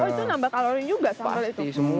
oh itu nambah kalori juga soal itu